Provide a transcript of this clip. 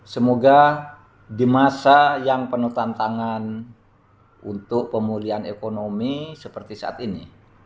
semoga di masa yang penuh tantangan untuk pemulihan ekonomi seperti saat ini